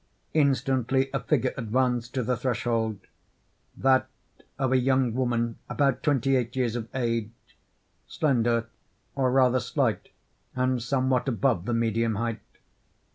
Instantly a figure advanced to the threshold—that of a young woman about twenty eight years of age—slender, or rather slight, and somewhat above the medium height.